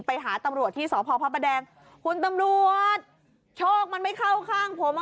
ไปหาตำรวจที่สพพระประแดงคุณตำรวจโชคมันไม่เข้าข้างผมอ่ะ